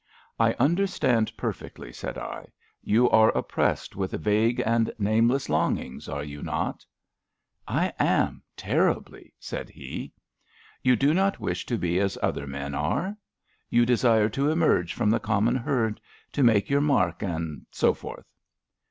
I understand perfectly," said I. " You are oppressed with vague and nameless longings, are you not? "" I am, terribly," said he. " You do not wish to be as other men are? You desire to emerge from the common herd, to make your mark, and so forth?